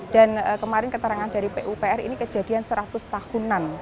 kemarin keterangan dari pupr ini kejadian seratus tahunan